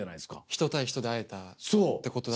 「人対人」で会えたってこと。